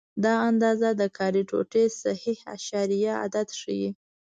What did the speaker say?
دا اندازه د کاري ټوټې صحیح اعشاریه عدد ښيي.